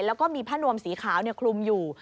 แล้วก็มีผ้านวมสีขาวคลุมอยู่